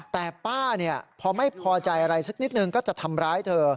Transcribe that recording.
แต่ป้าพอไม่พอใจอะไรสักนิดนึงก็จะทำร้ายเธอ